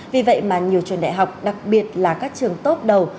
vì vậy mà nhiều trường đại học đặc biệt là các trường tốt đầu